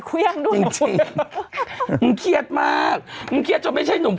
เครื่องดูจริงสิมึงเครียดมากมึงเครียดจนไม่ใช่หนุ่ม